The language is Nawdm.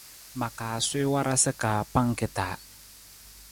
Ma kaa suwii warasa ka pangki ta.